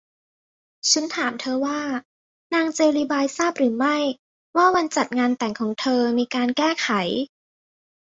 ฉันถามเธอว่า นางเจลลีบายทราบหรือไม่ว่าวันจัดงานแต่งของเธอมีการแก้ไข